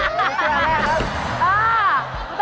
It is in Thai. ไม่ใช่แรกครับ